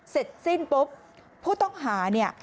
เสร็จสิ้นปุ๊บผู้ต้องหาเนี่ย